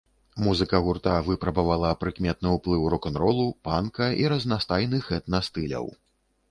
Музыка гурта выпрабавала прыкметны ўплыў рок-н-ролу, панка і разнастайных этна-стыляў.